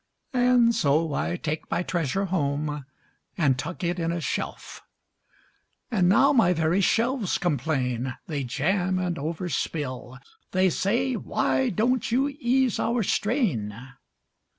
And so I take my treasure home, And tuck it in a shelf. And now my very shelves complain; They jam and over spill. They say: "Why don't you ease our strain?"